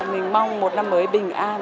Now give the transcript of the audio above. mình mong một năm mới bình an